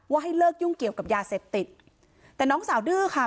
ให้เลิกยุ่งเกี่ยวกับยาเสพติดแต่น้องสาวดื้อค่ะ